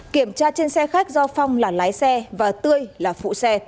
kiểm tra trên xe khách do phong là lái xe và tươi là phụ xe